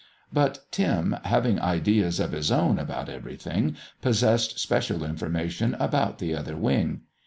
But Tim, having ideas of his own about everything, possessed special information about the Other Wing.